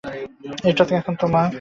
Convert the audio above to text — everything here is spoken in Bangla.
এটা এখন তোমার।